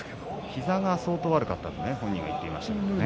膝が相当悪かったと本人が言っていましたね。